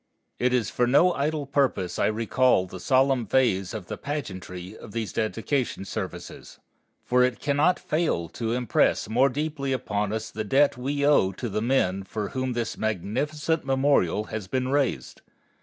It is for no idle purpose I recall the solemn phase of the pageantry of these dedication exercises, for it cannot fail to impress more deeply upon us the debt we owe to the men for whom this magnificent memorial has been raised.